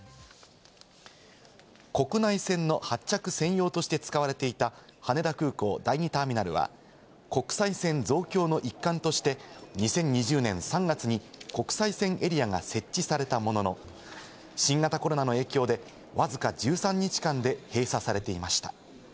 国内線の発着専用として使われていた羽田空港第２ターミナルは、国際線増強の一環として２０２０年３月に国際線エリアが設置されたものの新型コロナの影響でわずか１３日間で閉鎖されていました。